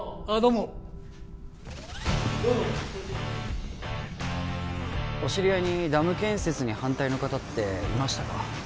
あどうもどうぞお知り合いにダム建設に反対の方っていましたか？